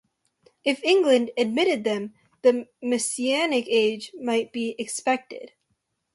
If England admitted them, the Messianic age might be expected.